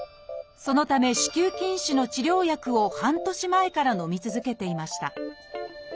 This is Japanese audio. そのため子宮筋腫の治療薬を半年前からのみ続けていました。